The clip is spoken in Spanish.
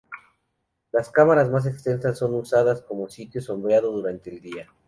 Las cámaras más externas son usadas como sitio sombreado durante el día.